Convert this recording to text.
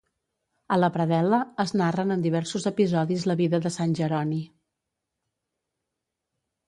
A la predel·la es narren en diversos episodis la vida de Sant Jeroni.